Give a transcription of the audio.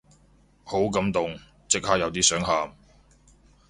好感動，即刻有啲想喊